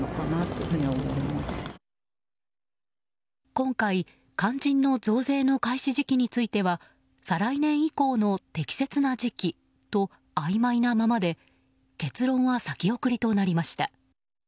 今回、肝心の増税の開始時期については再来年以降の適切な時期とあいまいなままで結論は先送りとなりました。